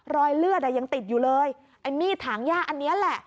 รอยเลือดอ่ะยังติดอยู่เลยไอ้มีดถังย่าอันนี้แหละ